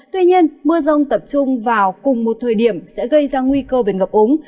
tuy nhiên mưa rông tập trung vào cùng một thời điểm sẽ gây ra nguy cơ về ngập úng